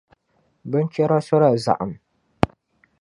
Binchɛra sola zaɣim.